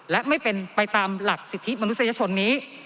และไม่เป็นไปตามหลักสิทธิมนุษยชนนี้